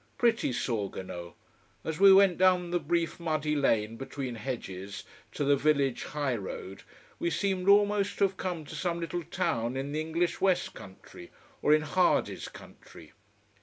Pretty Sorgono! As we went down the brief muddy lane between hedges, to the village high road, we seemed almost to have come to some little town in the English west country, or in Hardy's country.